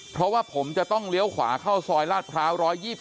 เพราะว่าผมจะต้องเลี้ยวขวาเข้าซอยลาดพร้าว๑๒๒